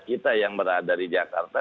kita yang berada di jakarta